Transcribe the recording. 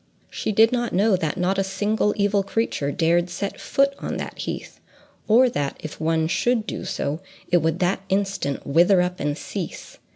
She did not know that not a single evil creature dared set foot on that heath, or that, if one should do so, it would that instant wither up and cease.